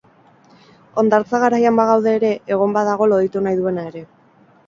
Hondartza garaian bagaude ere, egon badago loditu nahi duena ere.